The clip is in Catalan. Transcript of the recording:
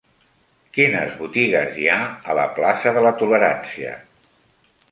Quines botigues hi ha a la plaça de la Tolerància?